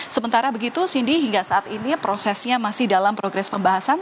sementara begitu cindy hingga saat ini prosesnya masih dalam progres pembahasan